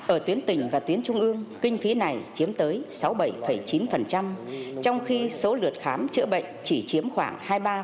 ở tuyến tỉnh và tuyến trung ương kinh phí này chiếm tới sáu mươi bảy chín trong khi số lượt khám chữa bệnh chỉ chiếm khoảng hai mươi ba